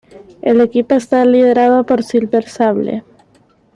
El equipo está liderado por Silver Sable.